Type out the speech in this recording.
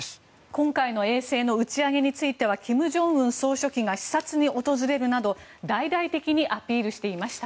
今回の衛星の打ち上げについては金正恩総書記が視察に訪れるなど大々的にアピールしていました。